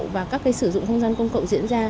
và các sử dụng không gian công cộng diễn ra